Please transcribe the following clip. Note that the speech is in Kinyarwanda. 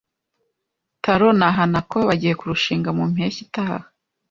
Taro na Hanako bagiye kurushinga mu mpeshyi itaha.